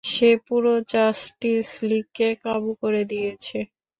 সে পুরো জাস্টিস লীগকে কাবু করে দিয়েছে!